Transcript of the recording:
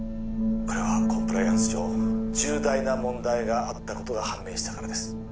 これはコンプライアンス上重大な問題があったことが判明したからです